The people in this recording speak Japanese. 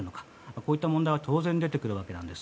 こういった問題は当然出てくるわけです。